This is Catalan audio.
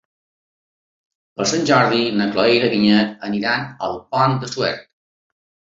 Per Sant Jordi na Cloè i na Vinyet aniran al Pont de Suert.